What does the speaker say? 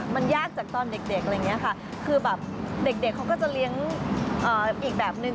มันยากจากตอนเด็กเลยแบบเด็กเขาก็จะเลี้ยงอีกแบบหนึ่ง